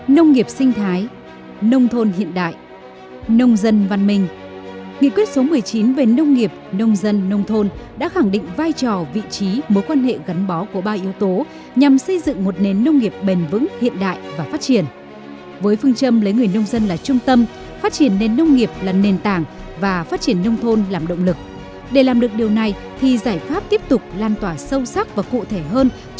nông nghiệp sinh thái nông thôn hiện đại nông dân văn minh